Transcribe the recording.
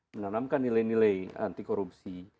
menanamkan nilai nilai anti korupsi